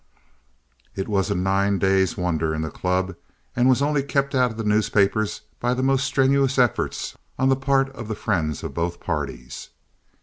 It was a nine days' wonder in the club, and was only kept out of the newspapers by the most strenuous efforts on the part of the friends of both parties.